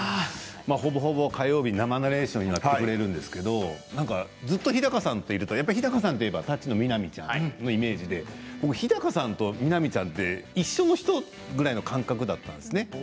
ほぼほぼ、火曜日生ナレーションをやってくれるんですけどずっと、日高さんというと「タッチ」の南ちゃんのイメージで日高さんと南ちゃんって一緒の人ぐらいの感覚だったんですね。